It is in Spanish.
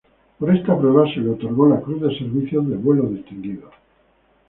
Por esta prueba se le otorgó la Cruz de Servicios de Vuelo Distinguidos.